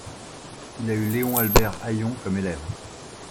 Il a eu Léon Albert Hayon comme élève.